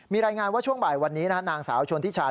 มีรายงานว่าช่วงบ่ายวันนี้นางสาวชนทิชา